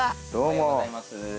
おはようございます。